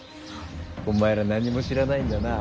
お前ら何も知らないんだな。